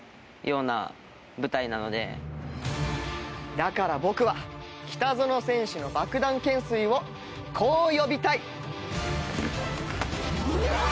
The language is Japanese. だから僕は北園選手のバクダン懸垂をこう呼びたい！